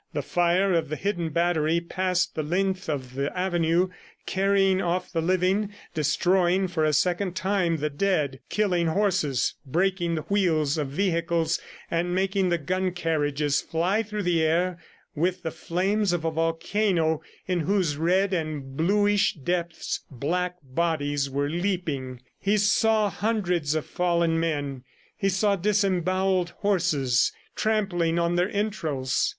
The fire of the hidden battery passed the length of the avenue, carrying off the living, destroying for a second time the dead, killing horses, breaking the wheels of vehicles and making the gun carriages fly through the air with the flames of a volcano in whose red and bluish depths black bodies were leaping. He saw hundreds of fallen men; he saw disembowelled horses trampling on their entrails.